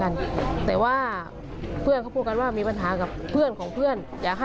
อายุ๑๓คนนี้มาก่อน